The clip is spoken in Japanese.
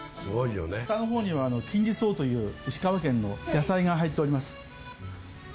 下の方には金時草という石川県の野菜が入っております。